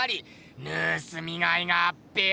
ぬすみがいがあっぺよ。